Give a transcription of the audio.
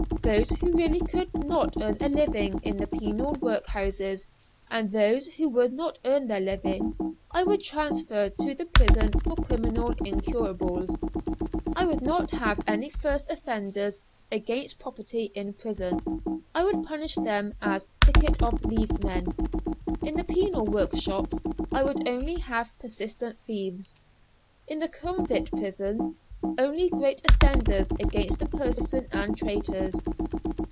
Those who really could not earn a living in the penal workhouses, and those who would not earn their living, I would transfer to the prison for criminal incurables. I would not have any first offenders against property in prison, I would punish them as ticket of leave men. In the penal workshops I would only have persistent thieves. In the convict prisons only great offenders against the person and traitors.